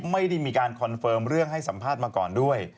ไม่ได้มีการคอนเฟิร์มเรื่องให้สัมภาษณ์มาก่อนด้วย